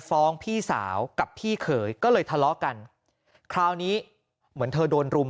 ฟ้องพี่สาวกับพี่เขยก็เลยทะเลาะกันคราวนี้เหมือนเธอโดนรุม